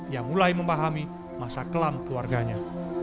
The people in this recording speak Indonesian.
yang mulai memahami masa kelam keluarganya